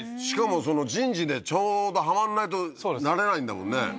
しかもその人事でちょうどはまんないとなれないんだもんね。